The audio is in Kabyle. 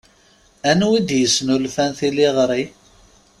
Anwa d-yesnulfan tiliɣri?